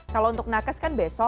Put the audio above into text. kalau untuk nakes kan besok